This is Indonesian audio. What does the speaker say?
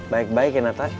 baik baik ya nata